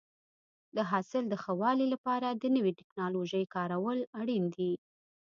د حاصل د ښه والي لپاره د نوې ټکنالوژۍ کارول اړین دي.